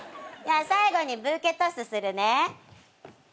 最後にブーケトスするね。